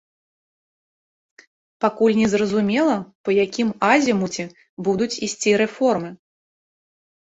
Пакуль не зразумела, па якім азімуце будуць ісці рэформы.